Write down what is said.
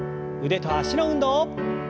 腕と脚の運動。